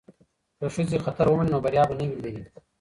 که ښځې خطر ومني نو بریا به نه وي لرې.